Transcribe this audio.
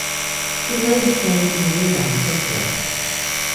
He lives in Nerima, Tokyo.